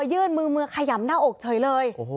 ยื่นมือมือขยำหน้าอกเฉยเลย